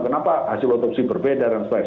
kenapa hasil otopsi berbeda dan sebagainya